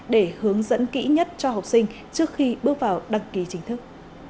để hướng dẫn kỹ nhất cho học sinh trước khi bước vào đăng ký chính thức